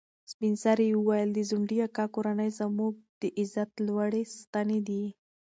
سپین سرې وویل چې د ځونډي اکا کورنۍ زموږ د عزت لوړې ستنې دي.